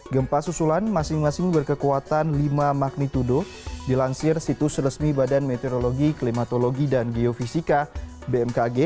gempa susulan masing masing berkekuatan lima magnitudo dilansir situs resmi badan meteorologi klimatologi dan geofisika bmkg